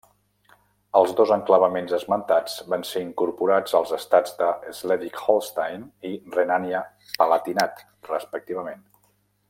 Els dos enclavaments esmentats van ser incorporats als estats de Slesvig-Holstein i Renània-Palatinat, respectivament.